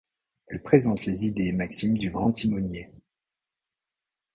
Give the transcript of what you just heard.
Elle présente les idées et maximes du Grand Timonier.